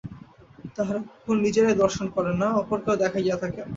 তাঁহারা কেবল নিজেরাই দর্শন করেন না, অপরকেও দেখাইয়া থাকেন।